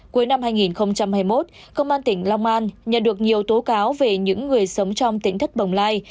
cuối năm hai nghìn hai mươi một công an tỉnh long an nhận được nhiều tố cáo về những người sống trong tính thất bồng lai